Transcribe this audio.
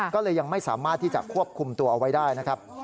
ก็เลยยังไม่สามารถที่จะควบคุมตัวเอาไว้ได้นะครับ